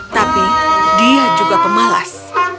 tapi dia juga pemalas